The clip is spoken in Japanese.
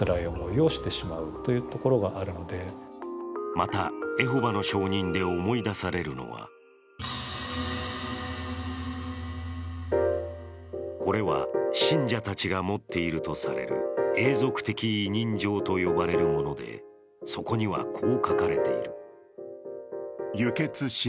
またエホバの証人で思い出されるのはこれは信者たちが持っているとされる永続的委任状と呼ばれるものでそこには、こう書かれている。